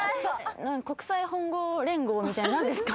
国際ほんごう連合みたいな何ですか？